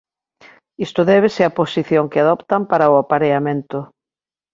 Isto débese á posición que adoptan para o apareamento.